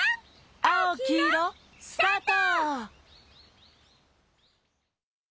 「あおきいろ」スタート！